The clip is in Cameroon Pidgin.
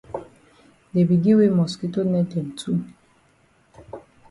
Dey be gi we mosquito net dem too.